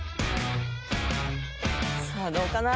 さぁどうかな？